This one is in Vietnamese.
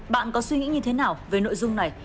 bạn có suy nghĩ như thế nào về nội dung này